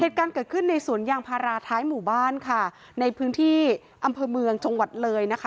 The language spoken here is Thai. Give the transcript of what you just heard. เหตุการณ์เกิดขึ้นในสวนยางพาราท้ายหมู่บ้านค่ะในพื้นที่อำเภอเมืองจังหวัดเลยนะคะ